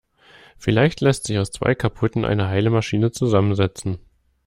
Vielleicht lässt sich aus zwei kaputten eine heile Maschine zusammensetzen.